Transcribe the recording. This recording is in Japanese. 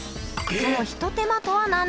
そのひと手間とは何でしょう？